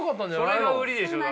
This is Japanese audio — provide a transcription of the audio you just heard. それが売りでしょだって。